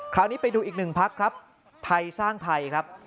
คราวนี้ไปดูอีกหนึ่งพักครับไทยสร้างไทยครับ